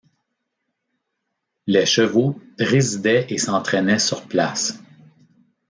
Les chevaux résidaient et s'entrainaient sur place.